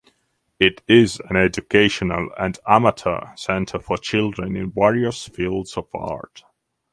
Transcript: It is an educational and amateur center for children in various fields of art.